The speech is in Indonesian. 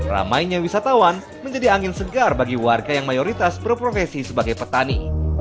ramainya wisatawan menjadi angin segar bagi warga yang mayoritas berprofesi sebagai petani